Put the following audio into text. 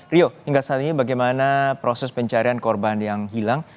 rio hingga saat ini bagaimana proses pencarian korban yang hilang